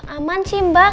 aman sih mbak